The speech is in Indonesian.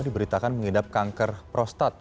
diberitakan mengidap kanker prostat